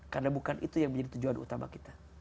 karena bukan itu yang menjadi tujuan utama kita